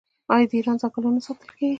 آیا د ایران ځنګلونه نه ساتل کیږي؟